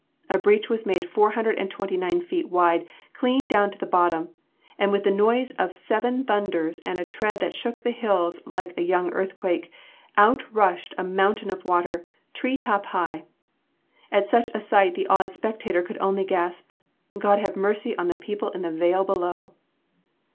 A breach was made four hundred and twenty nine feet wide clean down to the bottom, and with the noise of seven thunders and a tread that shook the hills like a young earthquake, out rushed a mountain of water "tree top high." At such a sight the awed spectator could only gasp, "God have mercy on the people in the vale below."